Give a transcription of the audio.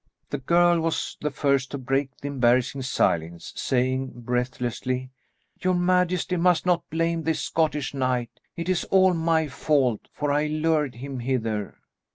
The girl was the first to break the embarrassing silence, saying breathlessly, "Your majesty must not blame this Scottish knight. It is all my fault, for I lured him hither."